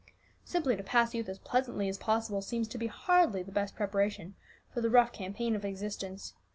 "Simply to pass youth as pleasantly as possible seems to be hardly the best preparation for the rough campaign of existence.